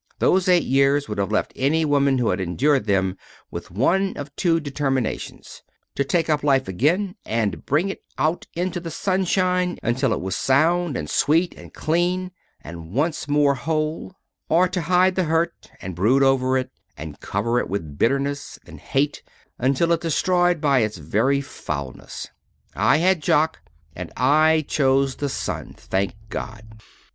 Those eight years would have left any woman who had endured them with one of two determinations: to take up life again and bring it out into the sunshine until it was sound, and sweet, and clean, and whole once more, or to hide the hurt and brood over it, and cover it with bitterness, and hate until it destroyed by its very foulness. I had Jock, and I chose the sun, thank God!